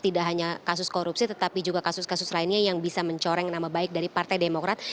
tidak hanya kasus korupsi tetapi juga kasus kasus lainnya yang bisa mencoreng nama baik dari partai demokrat